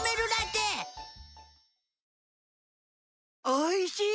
おいしい！